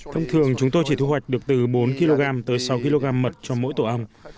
thông thường chúng tôi chỉ thu hoạch được từ bốn kg tới sáu kg mật cho mỗi tổ ong